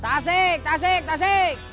tasik tasik tasik